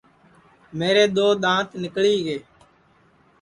میرے دؔو دؔانٚت نکلی ہے